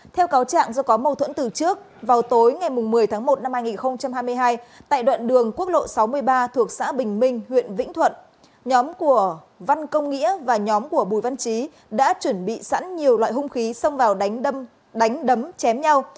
theo cáo trạng do có mâu thuẫn từ trước vào tối ngày một mươi tháng một năm hai nghìn hai mươi hai tại đoạn đường quốc lộ sáu mươi ba thuộc xã bình minh huyện vĩnh thuận nhóm của văn công nghĩa và nhóm của bùi văn trí đã chuẩn bị sẵn nhiều loại hung khí xông vào đánh đấm chém nhau